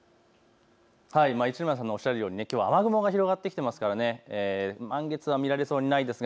市村さんのおっしゃるようにきょうは雨雲が広がってきてますから満月は見られそうにないです。